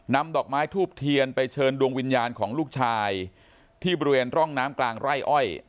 นำดอกไม้ทูบเทียนไปเชิญดวงวิญญาณของลูกชายที่บริเวณร่องน้ำกลางไร่อ้อย